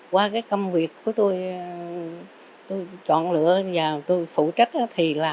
qua cái công việc của tôi tôi chọn lựa vào tôi phụ trách